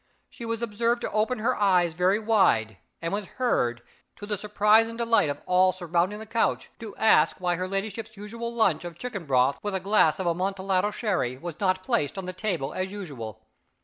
She was observed to open her eyes very wide, and was heard, to the surprise and delight of all surrounding the couch, to ask why her ladyship's usual lunch of chicken broth with a glass of Amontillado sherry was not placed on the table as usual.